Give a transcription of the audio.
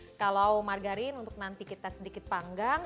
oke kalau margarin untuk nanti kita sedikit panggang